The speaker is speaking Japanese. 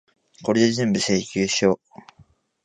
これぜんぶ、請求書。